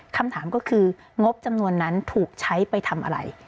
คำถามก็คืองบจำนวนนั้นถูกใช้ไปทำอะไร